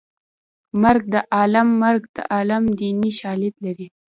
مرګ د عالم مرګ د عالم دیني شالید لري